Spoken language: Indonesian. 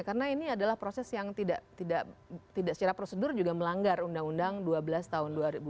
karena ini adalah proses yang tidak secara prosedur juga melanggar undang undang dua belas tahun dua ribu sebelas